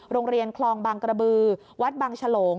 โรงเรียนคลองบางกระบือวัดบางฉลง